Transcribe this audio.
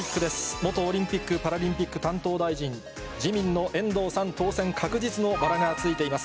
元オリンピック・パラリンピック担当大臣、自民の遠藤さん、当選確実のバラがついています。